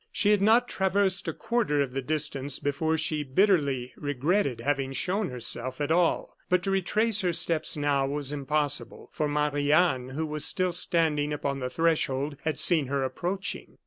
She had not traversed a quarter of the distance before she bitterly regretted having shown herself at all. But to retrace her steps now was impossible, for Marie Anne, who was still standing upon the threshold, had seen her approaching.